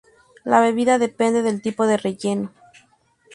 La bebida depende del tipo de relleno.